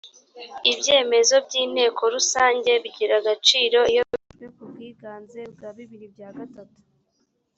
ibyemezo by’inteko rusange bigira agaciro iyo bifashwe ku bwiganze bwa bibiri bya gatatu